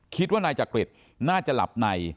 คิดว่านายจักริตน่าจะหลับใน